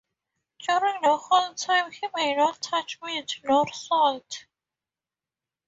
During the whole time he may not touch meat nor salt.